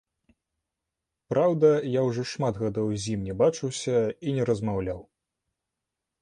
Праўда, я ўжо шмат гадоў з ім не бачыўся і не размаўляў.